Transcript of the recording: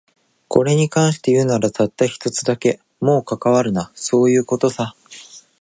これに関して言うなら、たった一つだけ。もう関わるな、そういう事さ。